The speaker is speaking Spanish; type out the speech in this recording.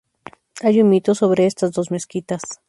Hay un mito sobre estas dos mezquitas.